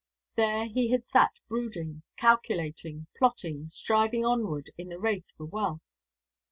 There he had sat brooding, calculating, plotting, striving onward, in the race for wealth.